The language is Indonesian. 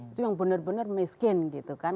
itu yang benar benar miskin gitu kan